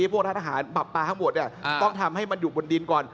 พวกท่านทหารบับปลาทั้งหมดต้องทำให้มันอยู่บนดินก่อน